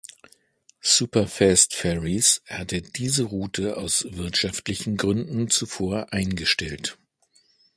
Superfast Ferries hatte diese Route aus wirtschaftlichen Gründen zuvor eingestellt.